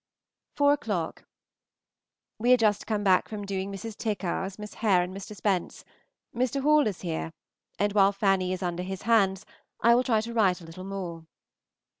Four o'clock. We are just come back from doing Mrs. Tickars, Miss Hare, and Mr. Spence. Mr. Hall is here, and while Fanny is under his hands, I will try to write a little more.